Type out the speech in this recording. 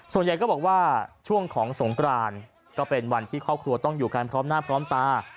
ส่วนใหญ่ก็บอกว่าช่วงของสงกรานก็เป็นวันที่ครอบครัวต้องอยู่กันพร้อมหน้าพร้อมตา